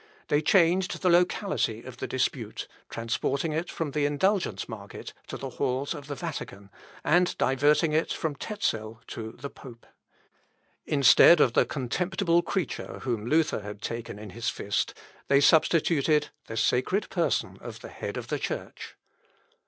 They changed the locality of the dispute, transporting it from the indulgence market to the halls of the Vatican, and diverting it from Tezel to the pope. Instead of the contemptible creature whom Luther had taken in his fist, they substituted the sacred person of the Head of the church.